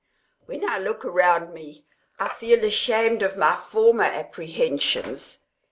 When I look around me I feel ashamed of my former apprehensions.